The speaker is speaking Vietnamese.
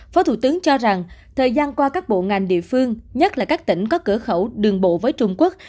phó thủ tướng cho rằng thời gian qua các bộ ngành địa phương nhất là các tỉnh có cửa khẩu đường bộ với trung quốc